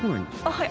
はい。